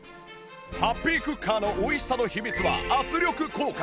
ハッピークッカーの美味しさの秘密は圧力効果